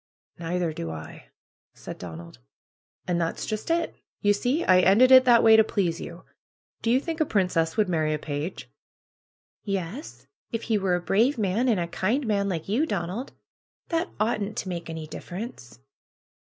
^^Neither do I," said Donald. ^^And that's ]ust it! You see I ended it that way to please you. Do you think a princess would marry a page?" '^Yes, if he were a brave man, and a kind man, like you, Donald. That oughtn't to make any difference."